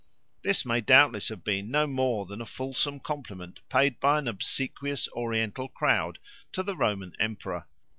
This may doubtless have been no more than a fulsome compliment paid by an obsequious Oriental crowd to the Roman emperor.